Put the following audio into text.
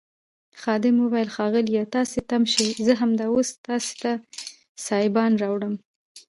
خادم وویل ښاغلیه تاسي تم شئ زه همدا اوس تاسي ته سایبان راوړم.